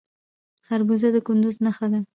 خربوزه د کندز نښه ده.